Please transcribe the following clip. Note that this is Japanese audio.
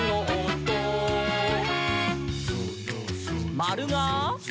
「まるが？」